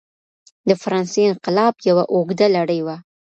د فرانسې انقلاب یوه اوږده لړۍ وه.